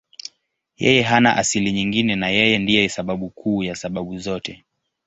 Yeye hana asili nyingine na Yeye ndiye sababu kuu ya sababu zote.